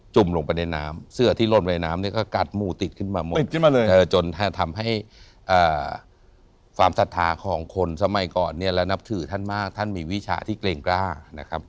จนทำให้อ่าความศาสนาของคนสมัยก่อนเนี่ยและนับถือท่านมากท่านมีวิชาที่เกรงกล้านะครับ